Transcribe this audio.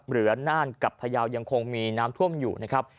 น่านกับพยาวยังคงมีน้ำท่วมอยู่นะครับ